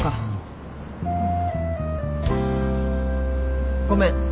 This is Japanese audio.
うん。ごめん。